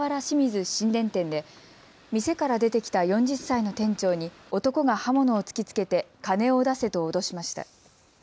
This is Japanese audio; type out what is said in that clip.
清水新田店で店から出てきた４０歳の店長に男が刃物を突きつけて金を出せと脅しました。